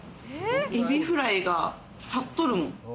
エビフライが立っとるもん。